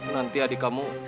nanti adik kamu